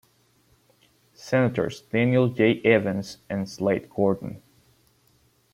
Senators Daniel J. Evans and Slade Gorton.